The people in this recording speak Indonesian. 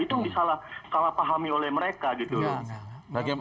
itu yang disalahpahami oleh mereka gitu loh